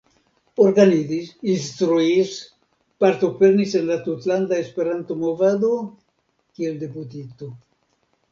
Organizis, instruis, partoprenis en la tutlanda esperanto-movado kiel deputito.